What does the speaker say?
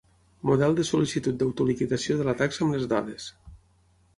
Model de sol·licitud d'autoliquidació de la taxa amb les dades.